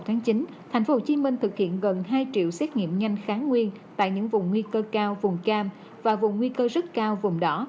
tính từ ngày hai mươi ba tháng tám đến ngày một tháng chín thành phố hồ chí minh thực hiện gần hai triệu xét nghiệm nhanh kháng nguyên tại những vùng nguy cơ cao vùng cam và vùng nguy cơ rất cao vùng đỏ